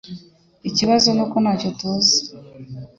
Ikibazo nuko ntacyo tuzi